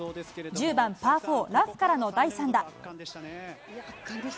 １０番パー４、ラフからの第３打。